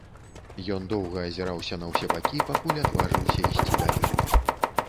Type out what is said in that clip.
Ён доўга азіраўся на ўсе бакі, пакуль адважыўся ісці далей.